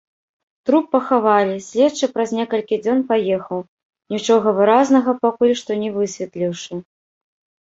Труп пахавалі, следчы праз некалькі дзён паехаў, нічога выразнага пакуль што не высветліўшы.